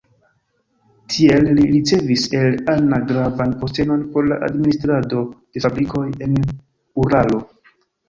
Tiel li ricevis el Anna gravan postenon por la administrado de fabrikoj en Uralo.